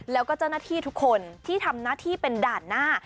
แล้วก็เจ้าหน้าที่ทุกคนที่ทำหน้าที่เป็นด่านหน้า